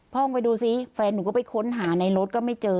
ห้องไปดูซิแฟนหนูก็ไปค้นหาในรถก็ไม่เจอ